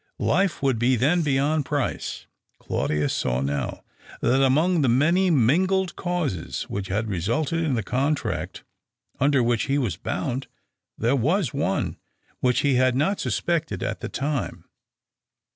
Life would then be beyond price. Claudius saw now that among the many mingled causes which had resulted in the contract under which he was bound there was one which he had not sus pected at the time.